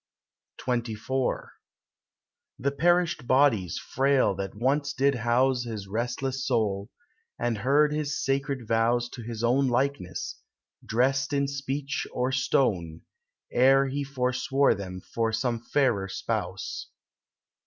XXIV The perished bodies frail that once did house His restless soul, and heard his sacred vows To his own likeness, dressed in speech or stone, Ere he forswore them for some fairer spouse.